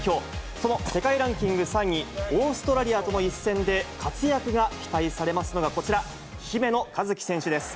その世界ランキング３位、オーストラリアとの一戦で活躍が期待されますのがこちら、姫野和樹選手です。